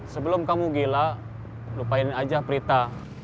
sebelum kamu gila lupain aja prita